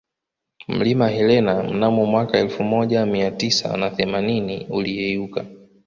Mlima Helena mnamo mwaka elfu moja miatisa na themanini uliyeyuka